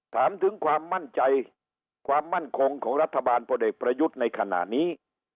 ถามถึงความมั่นใจความมั่นคงของรัฐบาลพลเอกประยุทธ์ในขณะนี้